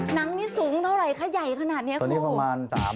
หนังนี้สูงเท่าไรคะใหญ่ขนาดนี้ครับครับครับครับ